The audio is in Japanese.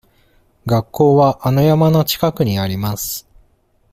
学校はあの山の近くにあります。